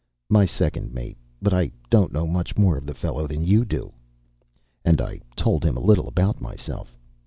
"My second mate. But I don't know much more of the fellow than you do." And I told him a little about myself.